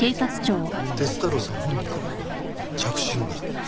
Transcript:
鐵太郎さん本人から着信が？